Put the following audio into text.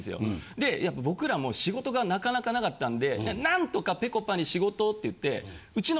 でやっぱ僕らも仕事がなかなかなかったんで何とかぺこぱに仕事をって言ってうちの。